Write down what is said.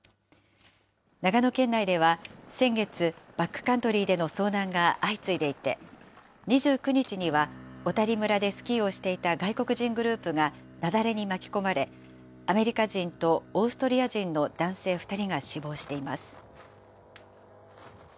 長野県内では先月、バックカントリーでの遭難が相次いでいて、２９日には小谷村でスキーをしていた外国人グループが、雪崩に巻き込まれ、アメリカ人とオーストリア人の男性２人が死亡しています。